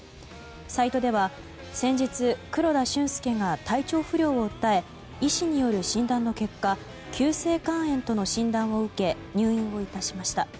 サイトでは先日、黒田俊介が体調不良を訴え医師による診断の結果急性肝炎との診断を受け入院をいたしました。